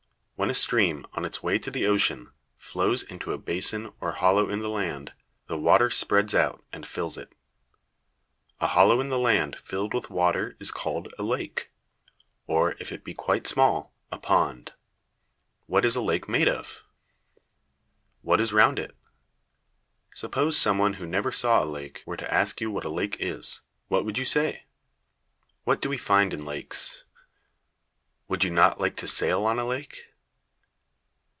When a stream, on its way to the ocean, flows into a basin or hollow in the land, the water spreads out and fills it. A hollow in the land filled with water is called a lake, or, if it be quite small, a pond. What is a lake made of? What is round it? Suppose some one who never saw a lake were to ask you what a lake is, what would you say? What do we find in lakes? Would you not like to sail on a lake?